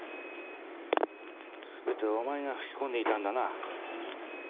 すべてはお前が吹き込んでいたんだな。